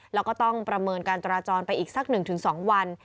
แล้วก็ต้องประเมินการจราจรไปอีกสักหนึ่งถึงสองวัน